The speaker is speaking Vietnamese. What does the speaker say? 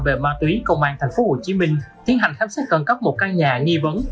về má túy công an tp hcm thiến hành khám xét cân cấp một căn nhà nghi vấn